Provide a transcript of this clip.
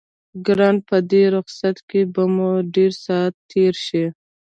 ګرانه په دې رخصتۍ کې به مو ډېر ساعت تېر شي.